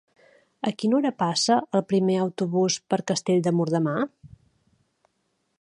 A quina hora passa el primer autobús per Castell de Mur demà?